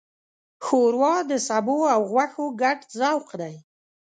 ښوروا د سبو او غوښو ګډ ذوق دی.